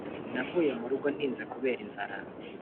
Navuye murugo ntinze kubera inzara